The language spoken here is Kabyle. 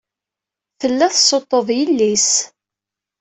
Tella tessuṭṭuḍ yelli-s.